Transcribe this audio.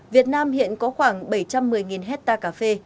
việt nam hiện có khoảng bảy trăm một mươi hectare cà phê